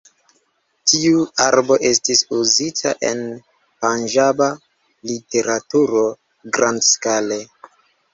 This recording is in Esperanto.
Tiu arbo estis uzita en panĝaba literaturo grandskale.